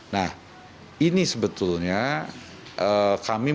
nah ini sebetulnya kami